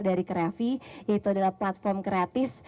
dari kreatif yaitu adalah platform kreatif